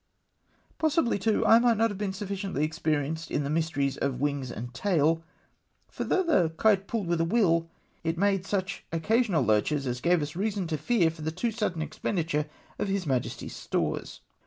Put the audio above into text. Possibly too I might not have been suf ficiently experienced in the mysteries of " wings and tail," for though the kite pulled with a will, it made such occasional lurches as gave reason to fear for the too sudden expenditure of His Majesty's stores.